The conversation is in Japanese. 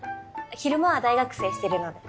昼間は大学生してるので。